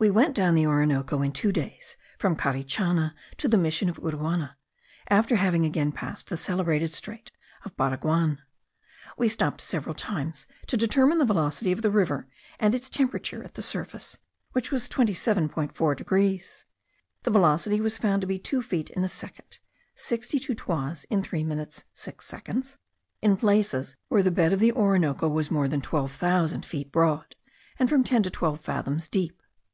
We went down the Orinoco in two days, from Carichana to the mission of Uruana, after having again passed the celebrated strait of Baraguan. We stopped several times to determine the velocity of the river, and its temperature at the surface, which was 27.4 degrees. The velocity was found to be two feet in a second (sixty two toises in 3 minutes 6 seconds) in places where the bed of the Orinoco was more than twelve thousand feet broad, and from ten to twelve fathoms deep.